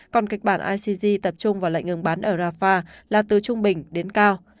còn kịch bản icg tập trung vào lệnh ngừng bắn ở rafah là từ trung bình đến cao